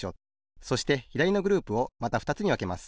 そしてひだりのグループをまたふたつにわけます。